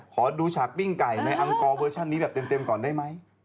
ขอดูฉากปิ้งไก่ในอังกอร์เวอร์ชันนี้แบบเต็มก่อนได้ไหม